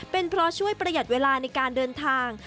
เป็นเพราะช่วยประหยัดเวลาในการเดินทาง